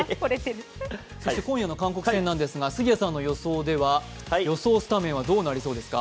そして今夜の韓国戦ですが杉谷さんの予想スタメンはどうなりそうですか？